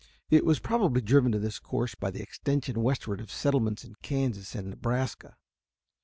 It was probably driven to this course by the extension westward of settlements in Kansas and Nebraska.